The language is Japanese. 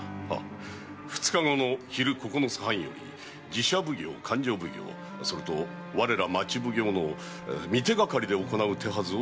二日後の昼九ツ半より寺社奉行・勘定奉行それと我ら町奉行の三手掛で行う手筈を整えました。